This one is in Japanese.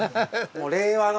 もう令和の。